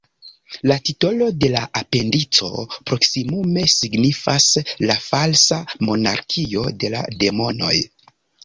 La titolo de la la apendico proksimume signifas "la falsa monarkio de la demonoj".